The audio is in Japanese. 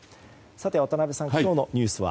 渡辺さん、今日のニュースは？